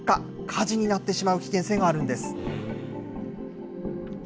火事になってしまう危険性があるんです。